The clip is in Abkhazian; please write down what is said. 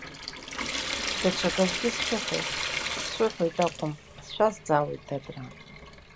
Даҽаказгьы сшәыҳәоит, сшәыҳәоит акәым, сшәазҵаауеит, дадраа.